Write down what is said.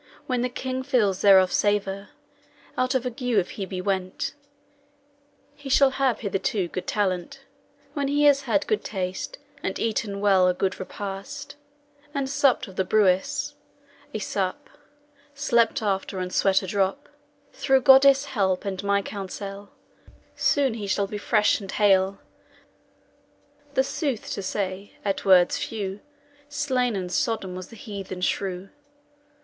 When the king feels thereof savour, Out of ague if he be went, He shall have thereto good talent. When he has a good taste, And eaten well a good repast, And supped of the BREWIS [Broth] a sup, Slept after and swet a drop, Through Goddis help and my counsail, Soon he shall be fresh and hail.' The sooth to say, at wordes few, Slain and sodden was the heathen shrew.